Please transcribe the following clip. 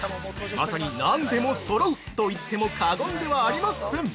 まさに「何でもそろう！」と言っても過言ではありません。